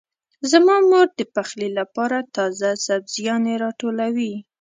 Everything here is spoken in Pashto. زما مور د پخلي لپاره تازه سبزيانې راټولوي.